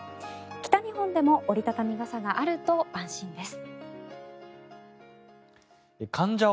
北日本でも折り畳み傘があると安心です。